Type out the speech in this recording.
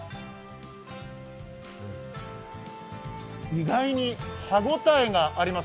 意外に歯応えがあります。